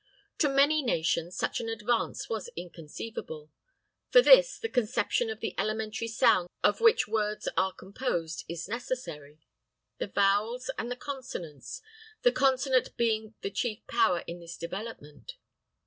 To many nations such an advance was inconceivable. For this, the conception of the elementary sounds of which words are composed is necessary; the vowels and the consonants, the consonant being the chief power in this development.